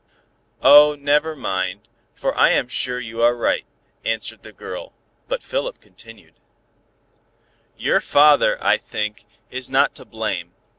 "Oh! never mind, for I am sure you are right," answered the girl, but Philip continued "Your father, I think, is not to blame.